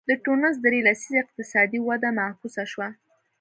د ټونس درې لسیزې اقتصادي وده معکوسه شوه.